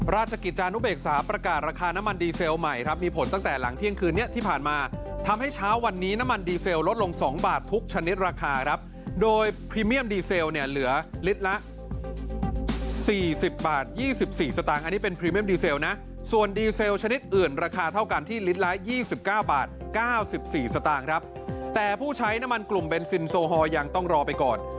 ราชกิจจานุเบกษาประกาศราคาน้ำมันดีเซลใหม่ครับมีผลตั้งแต่หลังเที่ยงคืนนี้ที่ผ่านมาทำให้เช้าวันนี้น้ำมันดีเซลลดลง๒บาททุกชนิดราคาครับโดยพรีเมียมดีเซลเนี่ยเหลือลิตรละ๔๐บาท๒๔สตางค์อันนี้เป็นพรีเมียมดีเซลนะส่วนดีเซลชนิดอื่นราคาเท่ากันที่ลิตรละ๒๙บาท๙๔สตางค์ครับแต่ผู้ใช้น้ำมันกลุ่มเบนซินโซฮอลยังต้องรอไปก่อน